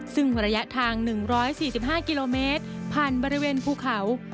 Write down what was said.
ซึ่งระยะทาง๑๔๕กิโลเมตรผ่านบริเวณภูเขา